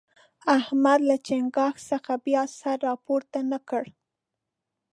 احمد له چينګاښ څخه بیا سر راپورته نه کړ.